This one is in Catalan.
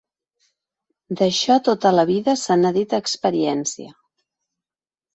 D'això tota la vida se n'ha dit experiència.